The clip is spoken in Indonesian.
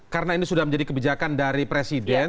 karena ini sudah menjadi kebijakan dari presiden